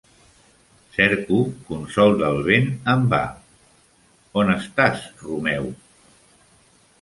"Cerco consol del vent en va... On estàs, Romeu?".